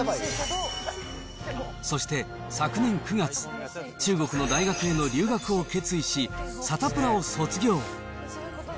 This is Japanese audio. そして昨年９月、中国の大学への留学を決意し、サタプラを卒業。